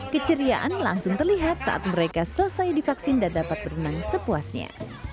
keceriaan langsung terlihat saat mereka selesai divaksin dan dapat berenang sepuasnya